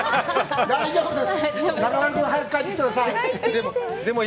大丈夫です。